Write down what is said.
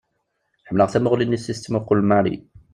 Ḥemmleɣ tamuɣli-nni s i tettmuqqul Mary.